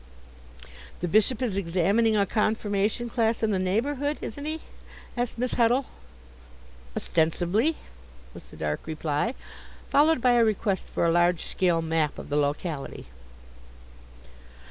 "The Bishop is examining a confirmation class in the neighbourhood, isn't he?" asked Miss Huddle. "Ostensibly," was the dark reply, followed by a request for a large scale map of the locality.